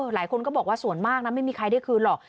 หลายคนก็บอกว่าส่วนมากนะไม่มีใครได้คืนหรอก